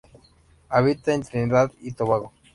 Habita en Trinidad y Tobago.